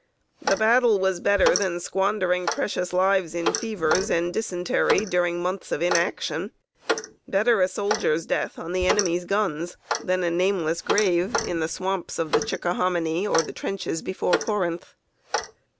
The battle was better than squandering precious lives in fevers and dysentery during months of inaction. Better a soldier's death on the enemy's guns than a nameless grave in the swamps of the Chickahominy or the trenches before Corinth.